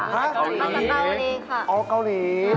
มาจากเกาหลีค่ะ